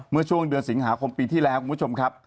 เมื่อช่วงเดือนสิงหาคมปีที่แล้วคุณผู้ชมครับ